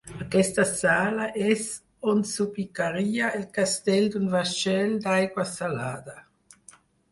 Aquesta sala és on s'ubicaria el castell d'un vaixell d'aigua salada.